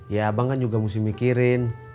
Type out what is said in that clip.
ya abang kan juga mesti mikirin